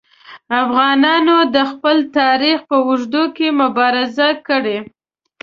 افغانانو د خپل تاریخ په اوږدو کې مبارزې کړي.